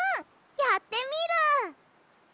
やってみる！